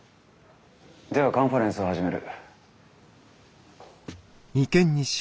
ではカンファレンスを始める。